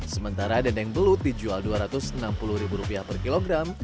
sementara dendeng belut dijual rp dua ratus enam puluh per kilogram